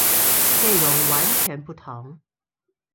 內容完全不同